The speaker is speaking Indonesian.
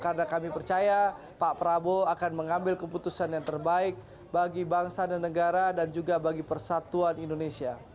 karena kami percaya pak prabowo akan mengambil keputusan yang terbaik bagi bangsa dan negara dan juga bagi persatuan indonesia